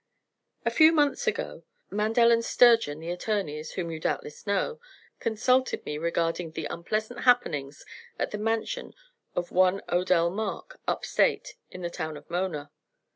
"A few months ago Mandel & Sturgeon the attorneys, whom you doubtless know, consulted me regarding the unpleasant happenings at the mansion of one Odell Mark, up State, in the town of Mona.